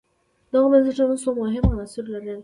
دغو بنسټونو څو مهم عناصر لرل